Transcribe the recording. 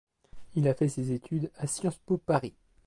Il a fait ses études à Sciences-Po Paris.